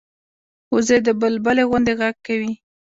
وزې د بلبلي غوندې غږ کوي